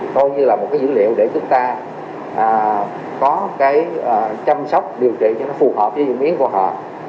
coi như là một dữ liệu để chúng ta có chăm sóc điều trị phù hợp với diễn biến của họ